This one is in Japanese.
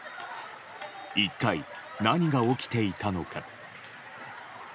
一体何が起きていたのか。